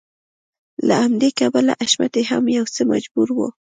له همدې کبله حشمتی هم يو څه مجبور و.